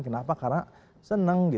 kenapa karena senang